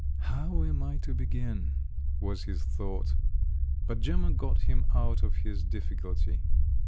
"How am I to begin?" was his thought. But Gemma got him out of his difficulty.